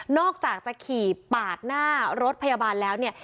อกจากจะขี่ปาดหน้ารถพยาบาลแล้วเนี่ย